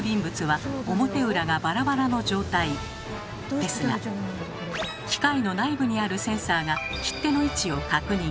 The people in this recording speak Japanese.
ですが機械の内部にあるセンサーが切手の位置を確認。